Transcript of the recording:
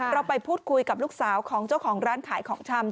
เราไปพูดคุยกับลูกสาวของเจ้าของร้านขายของชำ